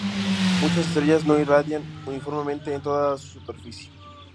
Muchas estrellas no irradian uniformemente en toda su superficie.